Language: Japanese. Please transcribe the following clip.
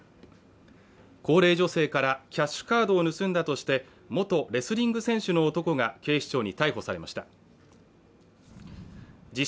高齢女性からキャッシュカードを盗んだとして元レスリング選手の男が警視庁に逮捕されました自称